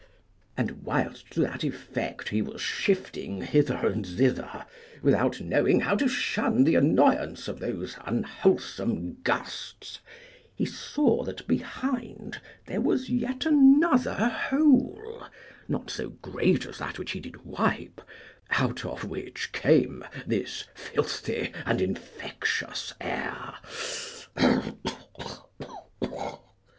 And whilst to that effect he was shifting hither and thither, without knowing how to shun the annoyance of those unwholesome gusts, he saw that behind there was yet another hole, not so great as that which he did wipe, out of which came this filthy and infectious air.